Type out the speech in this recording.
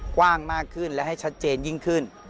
กว้างมากขึ้นและให้ชัดเจนยิ่งขึ้น